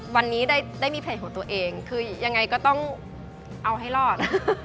วันนี้ได้มีเพลงของตัวเองคือยังไงก็ต้องเอาให้รอด